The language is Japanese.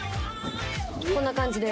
こんな感じで。